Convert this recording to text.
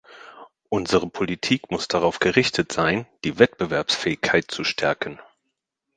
Unsere Politik muss darauf gerichtet sein, die Wettbewerbsfähigkeit zu stärken.